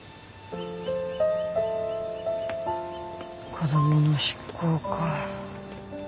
子供の執行か。